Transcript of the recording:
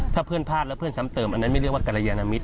ถ้าเพื่อนพลาดแล้วเพื่อนซ้ำเติมอันนั้นไม่เรียกว่ากรยานมิตร